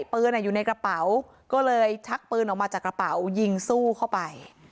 ปืนอยู่ในกระเป๋าก็เลยชักปืนออกมาจากกระเป๋ายิงสู้เข้าไป